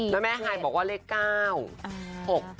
แล้วแม่ไฮบ์บอกว่าเลข๙